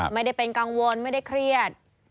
ไม่ได้เป็นกังวลไม่ได้เครียด